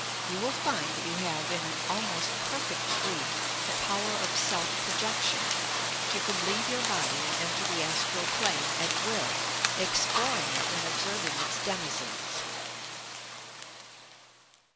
You will find that you have, in an almost perfect degree, the power of "self projection," — that you can leave your body and enter the astral plane at will, exploring it and observing its denizens.